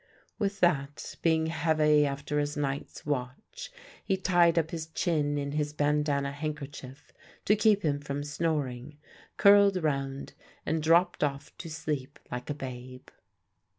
With that, being heavy after his night's watch, he tied up his chin in his bandanna handkerchief to keep him from snoring, curled round, and dropped off to sleep like a babe.